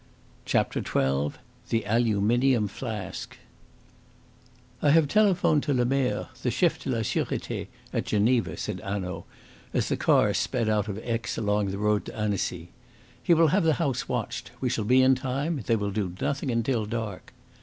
CHAPTER XII THE ALUMINIUM FLASK "I have telephoned to Lemerre, the Chef de la Surete at Geneva," said Hanaud, as the car sped out of Aix along the road to Annecy. "He will have the house watched. We shall be in time. They will do nothing until dark."